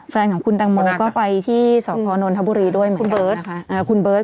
แฟนของคุณแตงโมก็ไปที่สพนธบุรีด้วยเหมือนกันนะคะ